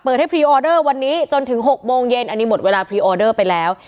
ให้พรีออเดอร์วันนี้จนถึง๖โมงเย็นอันนี้หมดเวลาพรีออเดอร์ไปแล้ว